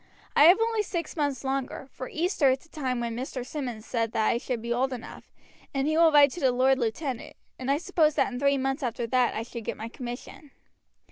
I have only six months longer, for Easter is the time when Mr. Simmonds said that I should be old enough, and he will write to the lord lieutenant, and I suppose that in three months after that I should get my commission."